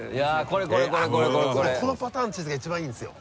このパターンのチーズが一番いいんですよ。